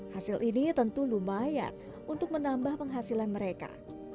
hasil ini tentu lumayan untuk menambah penghasilan mereka